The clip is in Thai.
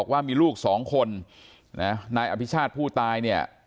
ว่ามีลูกสองคนนะนายอภิชาติผู้ตายเนี่ย